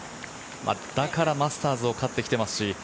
だからマスターズを勝ってきていますし。